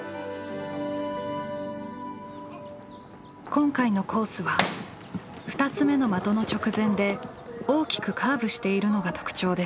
今回のコースは２つ目の的の直前で大きくカーブしているのが特徴です。